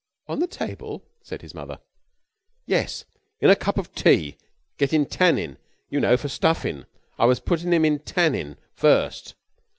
"On the table?" said his mother. "Yes. In a cup of tea. Gettin' tannin.' You know. For stuffin'. I was puttin' him in tannin' first.